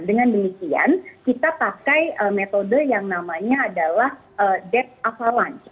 dengan demikian kita pakai metode yang namanya adalah debt hafalan